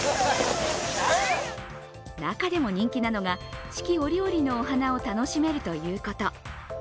中でも人気なのが四季折々のお花を楽しめるということ。